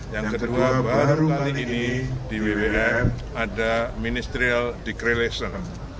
yang kedua baru kali ini di wwf ada ministerial declaration